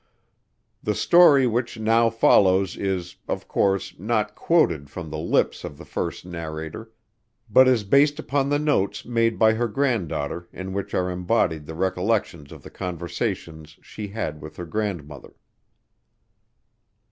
The story which now follows is, of course, not quoted from the lips of the first narrator, but is based upon the notes made by her granddaughter in which are embodied the recollections of the conversations she had with her grandmother.